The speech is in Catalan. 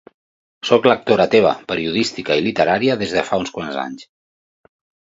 Sóc lectora teva, periodística i literària, des de fa uns quants anys.